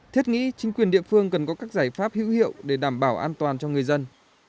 thiết nghĩ chính quyền địa phương cần có các giải pháp hữu hiệu để đảm bảo an toàn cho người dân